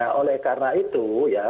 nah oleh karena itu ya